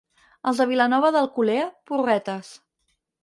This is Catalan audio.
Els de Vilanova d'Alcolea, porretes.